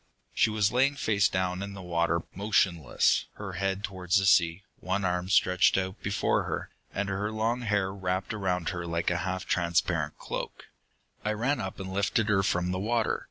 "She was laying face down in the water, motionless, her head towards the sea, one arm stretched out before her, and her long hair wrapped around her like a half transparent cloak. "I ran up and lifted her from the water.